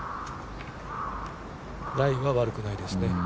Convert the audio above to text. ラインは悪くないですね。